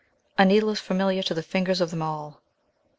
A needle is familiar to the fingers of them all.